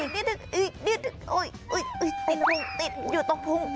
ติดอยู่ตรงพุง